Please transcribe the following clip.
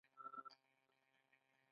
غریب د سترګو پټ غم لري